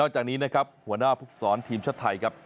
จากนี้นะครับหัวหน้าภูมิสอนทีมชาติไทยครับ